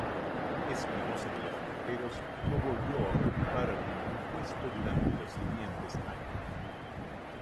Espinosa de los Monteros no volvió a ocupar ningún puesto durante los siguientes años.